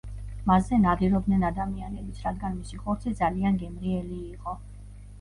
მასზე ნადირობდნენ ადამიანებიც, რადგან მისი ხორცი ძალიან გემრიელი იყო.